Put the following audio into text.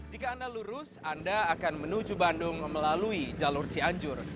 jika anda lurus anda akan menuju bandung melalui jalur cianjur